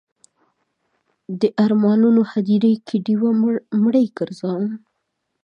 د ارمانونو هدیره کې ډیوې مړې ګرځوم